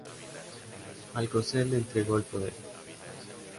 Alcocer le entregó el poder.